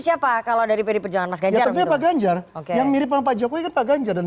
siapa kalau dari pdi perjalanan mas ganjar ya pak ganjar oke yang mirip pak jokowi pak ganjar dan